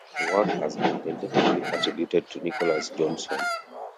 The work has been tentatively attributed to Nicholas Johnson.